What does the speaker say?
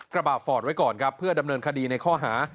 ระบาดฟอร์ดไว้ก่อนครับเพื่อดำเนินคดีในข้อหา